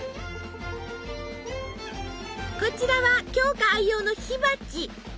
こちらは鏡花愛用の火鉢。